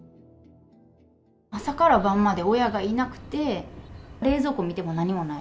朝から晩まで親がいなくて、冷蔵庫見ても何もない。